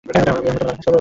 আমরা তোকে মিস করবো খুব!